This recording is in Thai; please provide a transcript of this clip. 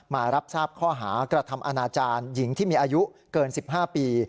มารับทราบข้อหากระทำอนาจารย์หญิงที่มีอายุเกิน๑๕ปี